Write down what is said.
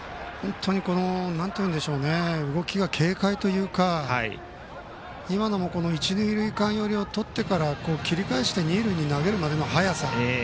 動きが軽快というか今のも一、二塁間寄りをとっていてから切り替えして二塁に投げるまでの早さ